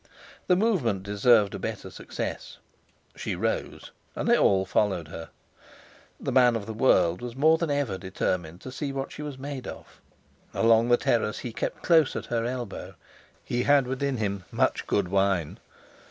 The movement deserved a better success. She rose, and they all followed her. The man of the world was more than ever determined to see what she was made of. Along the terrace he kept close at her elbow. He had within him much good wine.